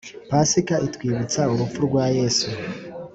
pasika itwibutsa urupfu rwa yesu